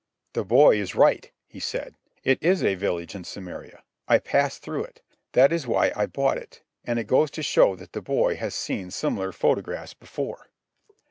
"The boy is right," he said. "It is a village in Samaria. I passed through it. That is why I bought it. And it goes to show that the boy has seen similar photographs before."